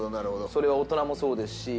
それは大人もそうですし。